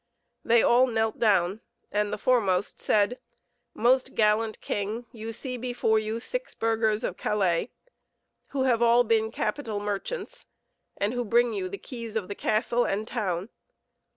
They all knelt down, and the foremost said: "Most gallant king, you see before you six burghers of Calais, who have all been capital merchants, and who bring you the keys of the castle and town.